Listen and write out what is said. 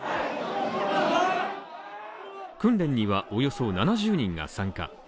訓練には、およそ７０人が参加。